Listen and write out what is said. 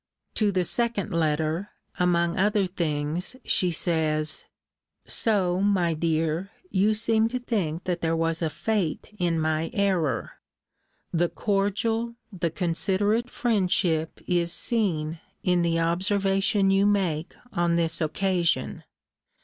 [To the second letter, among other things, she says,] So, my dear, you seem to think that there was a fate in my error. The cordial, the considerate friendship is seen in the observation you make on this occasion.